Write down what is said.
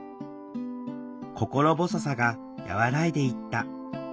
心細さが和らいでいった。